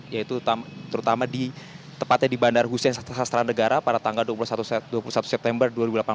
yaitu terutama tepatnya di bandar hussein sastra negara pada tanggal dua puluh satu september dua ribu delapan belas